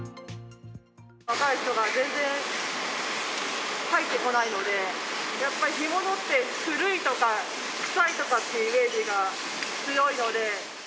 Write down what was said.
若い人が全然入ってこないので、やっぱり干物って古いとか臭いとかっていうイメージが強いので。